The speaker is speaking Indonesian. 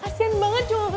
udah jangan ngambek